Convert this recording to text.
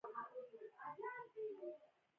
ځانمرګي بریدونه به کوي.